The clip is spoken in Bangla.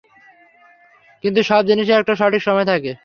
কিন্তু সব জিনিসের একটা সঠিক সময় থাকে!